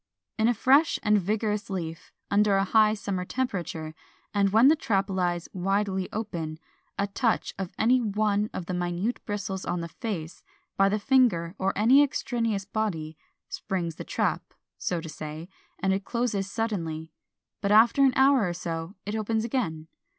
In a fresh and vigorous leaf, under a high summer temperature, and when the trap lies widely open, a touch of any one of the minute bristles on the face, by the finger or any extraneous body, springs the trap (so to say), and it closes suddenly; but after an hour or so it opens again.